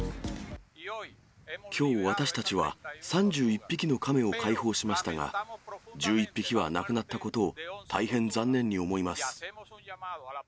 きょう私たちは、３１匹のカメを解放しましたが、１１匹は亡くなったことを大変残念に思います。